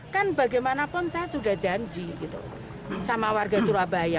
kan bagaimanapun saya sudah janji gitu sama warga surabaya